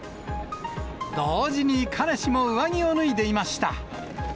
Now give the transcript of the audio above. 同時に彼氏も上着を脱いでいました。